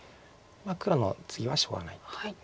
黒のツギはしょうがない。